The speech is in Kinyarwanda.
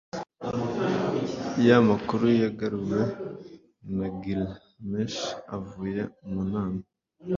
yamakuruyagaruwe na Gilgamesh avuye mu nama